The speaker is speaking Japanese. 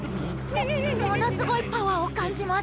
もものすごいパワーを感じます！